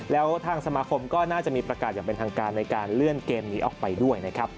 แล้วทางสมาคมก็น่าจะมีประกาศอย่างเป็นทางการในการเลื่อนเกมนี้ออกไปด้วยนะครับ